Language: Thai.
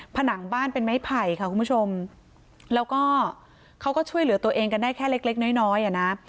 ผนังบ้านเป็นไม้ไผ่ค่ะคุณผู้ชมแล้วก็เขาก็ช่วยเหลือตัวเองกันได้แค่เล็กเล็กน้อยน้อยอ่ะนะ